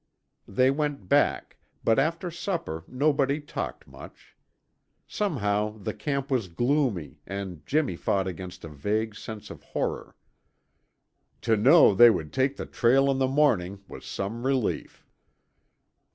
They went back, but after supper nobody talked much. Somehow the camp was gloomy and Jimmy fought against a vague sense of horror. To know they would take the trail in the morning was some relief.